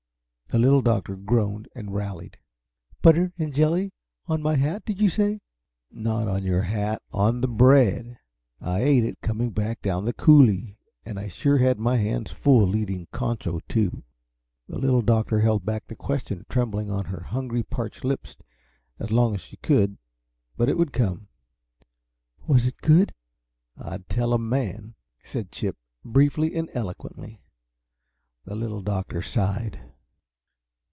The Little Doctor groaned, and rallied. "Butter and jelly on my hat, did you say?" "Not on your hat on the bread. I ate it coming back down the coulee and I sure had my hands full, leading Concho, too." The Little Doctor held back the question trembling on her hungry, parched lips as long as she could, but it would come. "Was it good?" "I'd tell a man!" said Chip, briefly and eloquently. The Little Doctor sighed.